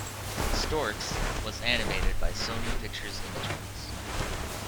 "Storks" was animated by Sony Pictures Imageworks.